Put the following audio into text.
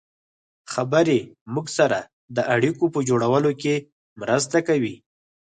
خبرې موږ سره د اړیکو په جوړولو کې مرسته کوي.